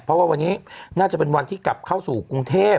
เพราะว่าวันนี้น่าจะเป็นวันที่กลับเข้าสู่กรุงเทพ